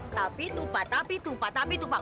tapi tupa tapi tupa tapi tupa